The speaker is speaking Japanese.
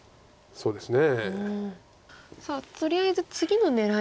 そうですね。